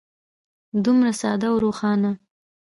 دومره ساده او روښانه.